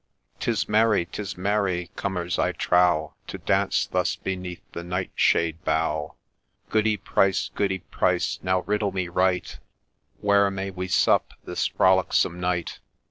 4 'Tis merry, 'tis merry, Cummers, I trow, To dance thus beneath the nightshade bough !'—' Goody Price, Goody Price, now riddle me right, Where may we sup this frolicsome night